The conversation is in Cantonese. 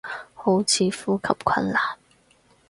好似呼吸困難